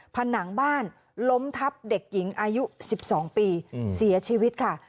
ผนังบ้านล้มทับเด็กหญิงอายุ๑๒ปีเสียชีวิตค่ะ